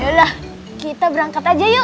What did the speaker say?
yolah kita berangkat aja yuk